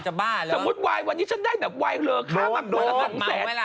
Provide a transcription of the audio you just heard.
สมมุติวายวันนี้ฉันได้แบบไวน์เรอค้ามากว่า๒แสน